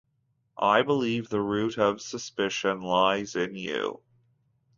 I believe the root of suspicion lies in you.